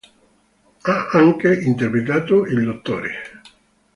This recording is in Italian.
Ha anche interpretato il Dr.